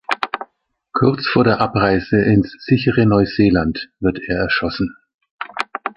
Kurz vor der Abreise ins sichere Neuseeland wird er erschossen.